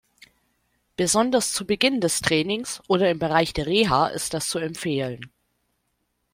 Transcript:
Besonders zu Beginn des Trainings oder im Bereich der Reha ist das zu empfehlen.